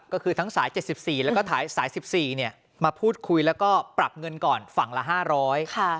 ก็คือทั้งสาย๗๔และสาย๑๔มาพูดคุยและก็ปรับเงินก่อนฝั่งละ๕๐๐